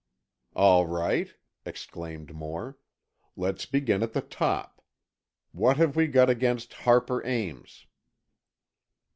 "All right," exclaimed Moore, "let's begin at the top. What have we got against Harper Ames?"